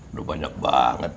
udah banyak banget